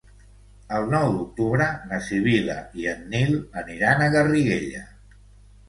El nou d'octubre na Sibil·la i en Nil aniran a Garriguella.